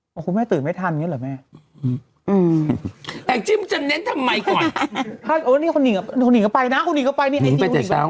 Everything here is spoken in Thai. อุ๊ค่ะคุณแม่ตื่นไม่ทันงั้นล่ะแม่อือ